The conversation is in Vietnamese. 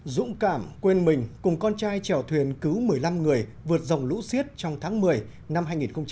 dũng cảm quên mình cùng con trai trèo thuyền cứu một mươi năm người vượt dòng lũ xiết trong tháng một mươi năm hai nghìn một mươi chín